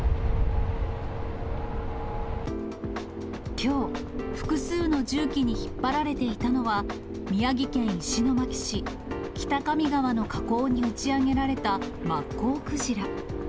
きょう、複数の重機に引っ張られていたのは、宮城県石巻市北上川の河口に打ち上げられたマッコウクジラ。